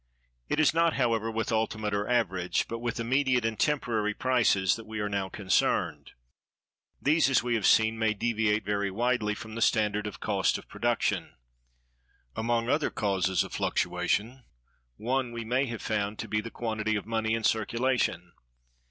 It is not, however, with ultimate or average, but with immediate and temporary prices that we are now concerned. These, as we have seen, may deviate very widely from the standard of cost of production. Among other causes of fluctuation, one we have found to be the quantity of money in circulation.